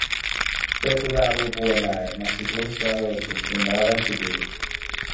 So etthu kaari wupuwelaye, masi Kursu aya otu kinlawa kankhitiri?